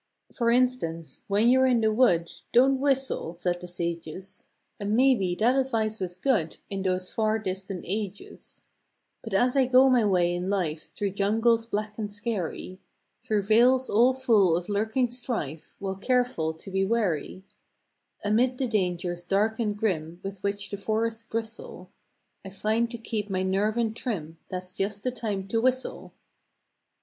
For instance, "When you re in the wood don t whistle," said the sages And maybe that advice was good in those far distant ages But as I go my way in life through jungles black and scary, Through vales all full of lurking strife, while careful to be wary Amid the dangers dark and grim with which the forests bristle, I find to keep my nerve in trim that s just the time to whistle!